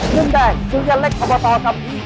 นึกแดงสุริยะเล็กพรปกัมพี